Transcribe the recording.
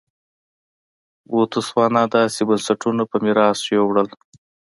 بوتسوانا داسې بنسټونه په میراث یووړل.